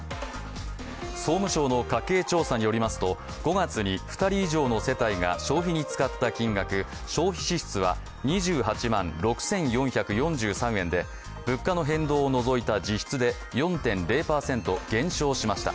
総務省の家計調査によりますと５月に２人以上の世帯が、消費に使った金額＝消費支出は、２８万６４４３円で、物価の変動を除いた実質で４．０％減少しました。